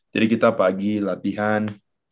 jadi kita pagi latihan